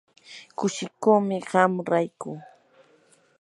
kushikuumi qam rayku.